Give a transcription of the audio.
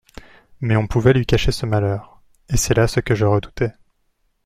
Mais on pouvait lui cacher ce malheur, et c'est là ce que je redoutais.